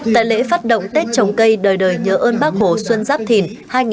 tại lễ phát động tết trồng cây đời đời nhớ ơn bác hồ xuân giáp thìn hai nghìn hai mươi bốn